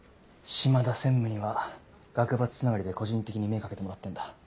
島田専務には学閥つながりで個人的に目かけてもらってんだ。